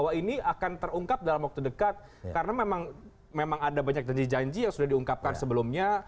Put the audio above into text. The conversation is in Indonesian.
bahwa ini akan terungkap dalam waktu dekat karena memang ada banyak janji janji yang sudah diungkapkan sebelumnya